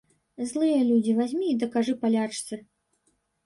Злыя людзі вазьмі і дакажы палячцы.